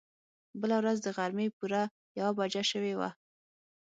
بله ورځ د غرمې پوره يوه بجه شوې وه.